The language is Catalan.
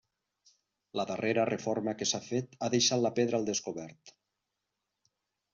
La darrera reforma que s'ha fet ha deixat la pedra al descobert.